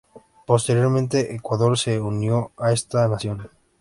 Posteriormente Ecuador se unió a esta nación.